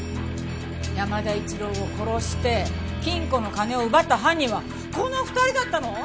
山田一郎を殺して金庫の金を奪った犯人はこの２人だったの！？